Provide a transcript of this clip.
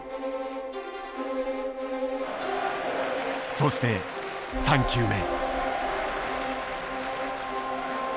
そして３球目。